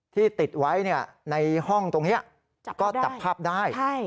ที่ติดไว้ในห้องตรงนี้ก็จับภาพได้